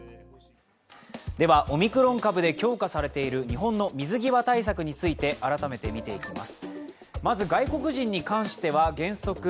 では、オミクロン株で強化されている日本の水際対策について改めて見ていきます。